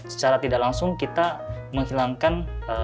secara tidak langsung kita menghilangkan